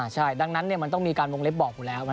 ใช่ดังนั้นมันต้องมีการวงเล็บบอกอยู่แล้ว